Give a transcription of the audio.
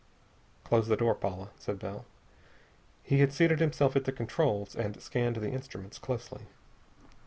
"Close the door, Paula," said Bell. He had seated himself at the controls, and scanned the instruments closely.